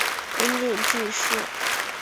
因病致仕。